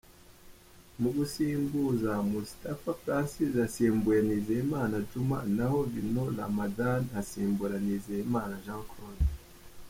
Mu gusimbuza, Moustapha Francis yasimbuye Nizeyimana Djuma naho Vino Ramadhan asimbura Nizeyimana Jean Claude.